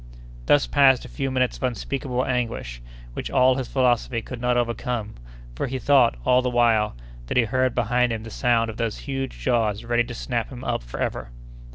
Thus passed a few minutes of unspeakable anguish, which all his philosophy could not overcome, for he thought, all the while, that he heard behind him the sound of those huge jaws ready to snap him up forever.